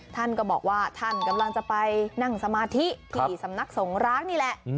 ท่านก็บอกว่าท่านกำลังจะไปนั่งสมาธิที่สำนักสงร้างนี่แหละ